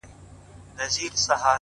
د بازار ورو غږ د ورځې پای ښيي